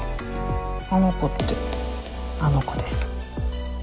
あの子ってあの子です。